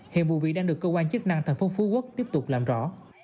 hiện vụ vị đang được cơ quan chức năng tp phú quốc tiếp tục làm rõ